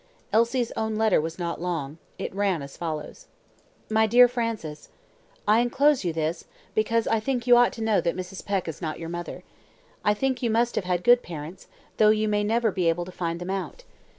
Elsie's own letter was not long; it ran as follows: "My dear Francis, I enclose you this, because I think you ought to know that Mrs. Peck is not your mother. I think you must have had good parents, though you may never be able to find them out.